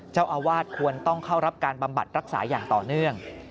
เจ้าอาวาสควรต้องเข้ารับการบำบัดรักษาอย่างต่อเนื่อง